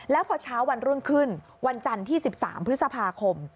แล้วพอเช้าวันรุ่งขึ้นวันจันทร์ที่๑๓พฤษภาคม